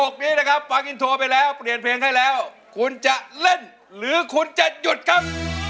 คนที่ถาชหน้าแล้วตอบผมเพราะว่าอาจจะเล่นหรือจะหยุดนะครับ